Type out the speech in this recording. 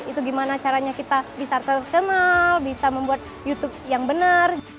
itu gimana caranya kita bisa tradisional bisa membuat youtube yang benar